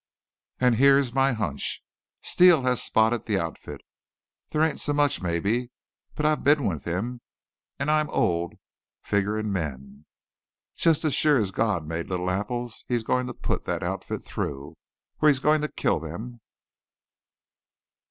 "An' here's my hunch. Steele has spotted the outfit. Thet ain't so much, mebbe. But I've been with him, an' I'm old figgerin' men. Jest as sure as God made little apples he's a goin' to put thet outfit through or he's a goin' to kill them!"